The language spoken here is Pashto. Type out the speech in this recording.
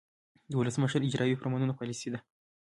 د ولسمشر اجراییوي فرمانونه پالیسي ده.